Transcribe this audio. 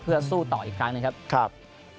เพื่อสู้ต่ออีกครั้งนะครับ